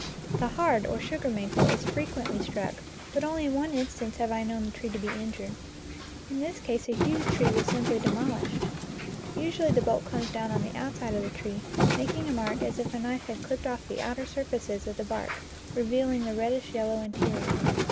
The hard, or sugar, maple, is frequently struck, but only in one instance have I known the tree to be injured. In this case a huge tree was simply demolished. Usually the bolt comes down on the outside of the tree, making a mark as if a knife had clipped off the outer surfaces of the bark, revealing the reddish yellow interior.